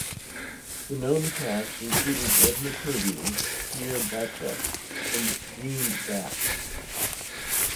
The known cast included Edna Purviance, Pierre Batcheff, and Jean Dax.